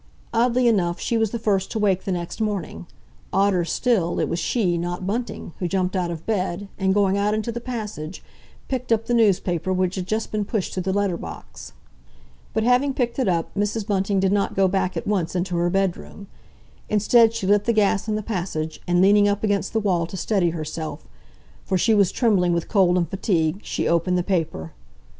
Oddly enough, she was the first to wake the next morning; odder still, it was she, not Bunting, who jumped out of bed, and going out into the passage, picked up the newspaper which had just been pushed through the letter box. But having picked it up, Mrs. Bunting did not go back at once into her bedroom. Instead she lit the gas in the passage, and leaning up against the wall to steady herself, for she was trembling with cold and fatigue, she opened the paper.